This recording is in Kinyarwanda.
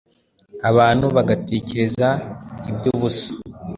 abantu bagatekereza iby’ubusa?